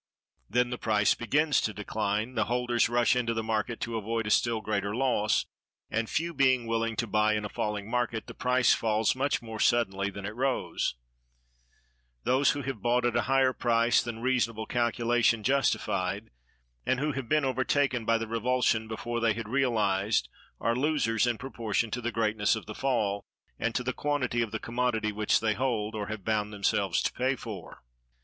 Then the price begins to decline, the holders rush into the market to avoid a still greater loss, and, few being willing to buy in a falling market, the price falls much more suddenly than it rose. Those who have bought at a higher price than reasonable calculation justified, and who have been overtaken by the revulsion before they had realized, are losers in proportion to the greatness of the fall and to the quantity of the commodity which they hold, or have bound themselves to pay for.